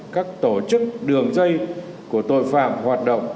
các tổ chức đường dây của tội phạm hoạt động